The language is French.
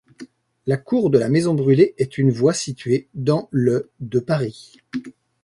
La cour de la Maison-Brûlée est une voie située dans le de Paris.